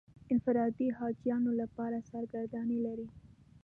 انفرادي حاجیانو لپاره سرګردانۍ لري.